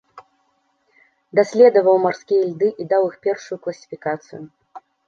Даследаваў марскія льды і даў іх першую класіфікацыю.